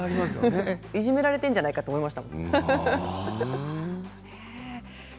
いじめられているんじゃないかと思いました。